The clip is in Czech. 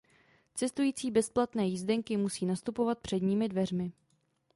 Cestující bez platné jízdenky musí nastupovat předními dveřmi.